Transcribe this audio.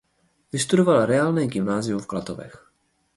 Vystudoval reálné gymnázium v Klatovech.